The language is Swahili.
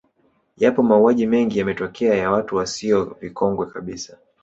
Yapo mauaji mengi yametokea ya watu wasio vikongwe kabisa